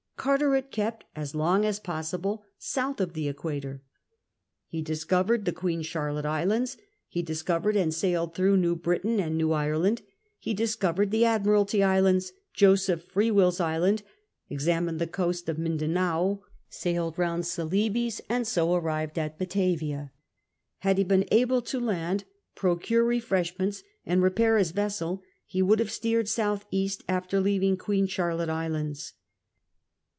Carteret kept as long as possible south of the equator. He discovered the Queen Charlotte Islands, he discovered and sailed through New Britain and Now Ireland, he discovered the Admiralty Islands, Joseph Freewill's Island, examined the coast of Mindanao, sailed round Celebes, and so arrived at Bjitavia. Had he been able to land, procure refreshments, and rej>air his vessel, he would have steered S.E. after leaving Queen Charlotte Islands.